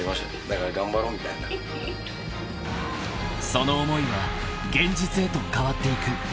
［その思いは現実へと変わっていく］